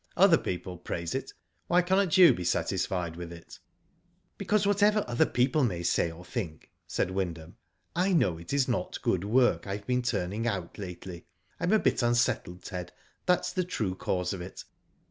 Other people praise it, why cannot you be satisfied with it ?"Because whatever other people may say or think," said Wyndham, I know it is not good work I have been turning out lately. I am a bit unsettled, Ted, that's the true cause of^ it."